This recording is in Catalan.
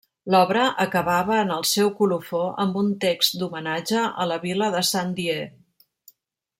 L'obra acabava en el seu colofó amb un text d'homenatge a la vila de Saint-Dié.